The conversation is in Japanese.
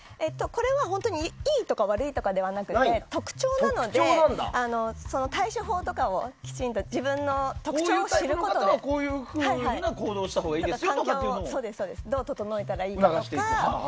これは本当にいいとか、悪いとかじゃなくて特徴なので対処法とかをきちんと自分の特徴を知ることでして環境をどう整えたらいいかとか。